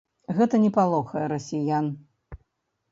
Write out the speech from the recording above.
Гэта не палохае расіян.